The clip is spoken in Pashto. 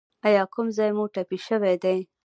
ایا کوم ځای مو ټپي شوی دی؟